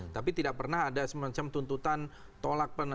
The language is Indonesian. tapi tidak pernah ada semacam tuntutan tolak